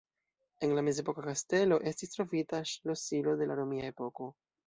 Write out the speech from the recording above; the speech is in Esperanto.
En la mezepoka kastelo estis trovita ŝlosilo de la romia epoko.